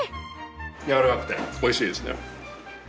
やわらかくておいしいですね。